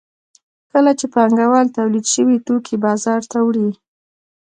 کله چې پانګوال تولید شوي توکي بازار ته وړي